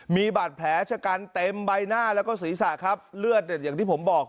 มีบาดแผลชะกันเต็มใบหน้าแล้วก็ศีรษะครับเลือดเนี่ยอย่างที่ผมบอก